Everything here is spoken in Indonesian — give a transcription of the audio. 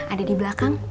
ada di belakang